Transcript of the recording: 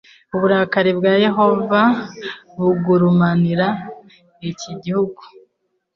uburakari bwa Yehova bugurumanira iki gihugu